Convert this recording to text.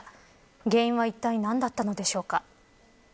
原因はいったい何だったのでしょうか。